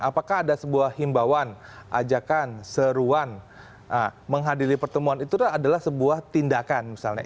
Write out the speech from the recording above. apakah ada sebuah himbauan ajakan seruan menghadiri pertemuan itu adalah sebuah tindakan misalnya